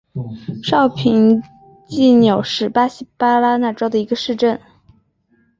绍平济纽是巴西巴拉那州的一个市镇。